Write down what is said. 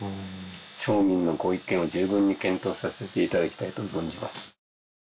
「町民のご意見を十分に検討させていただきたいと存じます」と。